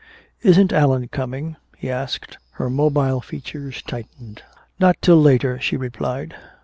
"Isn't Allan coming?" he asked. Her mobile features tightened. "Not till later," she replied.